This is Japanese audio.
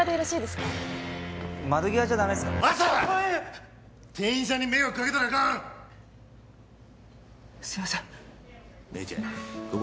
すいません！